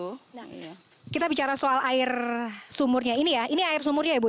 nah kita bicara soal air sumurnya ini ya ini air sumurnya ya ibu